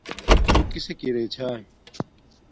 تُݸ کِسݵک ارݺ چھݳئی؟